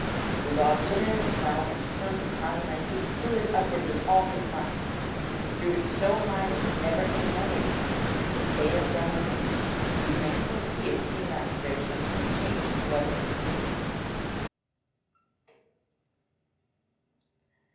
And the dog took it in his mouth, and stood on his hind legs and threw it upwards with all his might, and he threw it so high that it never came down again but stayed up round the moon, where you may still see it any night that there is going to be a change in the weather.